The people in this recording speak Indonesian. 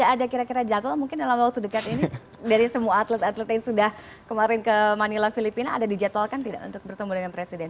ada kira kira jadwal mungkin dalam waktu dekat ini dari semua atlet atlet yang sudah kemarin ke manila filipina ada dijadwalkan tidak untuk bertemu dengan presiden